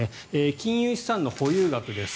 金融資産の保有額です。